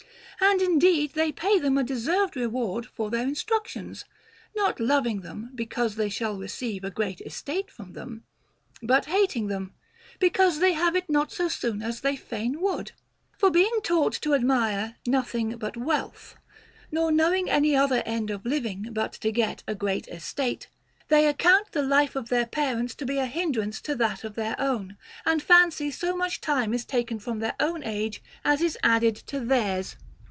And indeed they pay them a deserved reward for their instructions, not loving them because they shall receive a great estate from them, but hating them because they have it not so soon as they fain would. For being taught to admire nothing but wealth, nor knowing any other end of living but to get a great estate, they account the life of their parents to be a hindrance to that of their own, and fancy so much time is taken from their own age as is added to theirs.